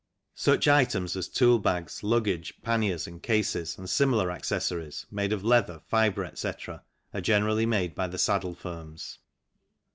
Such items as tool bags, luggage panniers, and cases, and similar accessories, made of leather, fibre, etc., are generally made by the saddle firms.